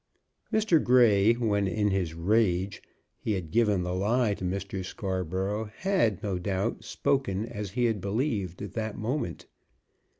Mr. Grey when, in his rage, he had given the lie to Mr. Scarborough had, no doubt, spoken as he had believed at that moment.